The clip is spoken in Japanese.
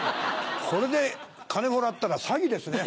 これで金もらったら詐欺ですね